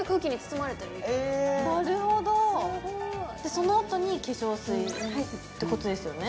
そのあとに化粧水ってことですよね？